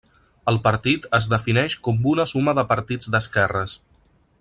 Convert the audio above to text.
El partit es defineix com una suma de partits d'esquerres.